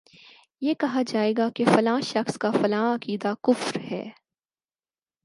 یہ کہا جائے گا کہ فلاں شخص کا فلاں عقیدہ کفر ہے